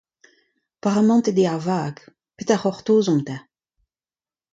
Paramantet eo ar vag, petra a c'hortozomp enta ?